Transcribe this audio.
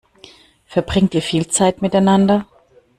Verbringt ihr viel Zeit miteinander?